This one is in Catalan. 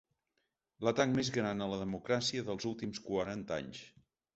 L atac mes gran a la democràcia dels últims quaranta anys.